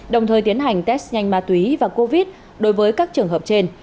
đồng thời tiến hành test nhanh ma túy và covid đối với các trường hợp trên